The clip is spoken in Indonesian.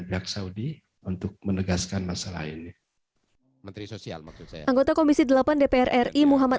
pihak saudi untuk menegaskan masalah ini menteri sosial maksud saya anggota komisi delapan dpr ri muhammad